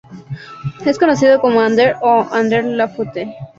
Es conocido como Ander o Ander Lafuente.